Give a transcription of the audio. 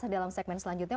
dalam segmen selanjutnya